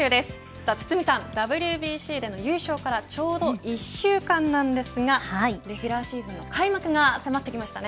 さあ堤さん、ＷＢＣでの優勝からちょうど１週間なんですがレギュラーシーズンの開幕が迫ってきましたね。